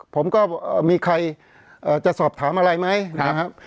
ผมก็มีใครจะสอบถามอะไรไหมนะครับ